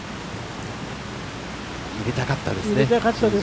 入れたかったですね。